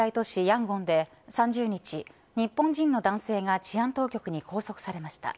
ヤンゴンで３０日、日本人の男性が治安当局に拘束されました。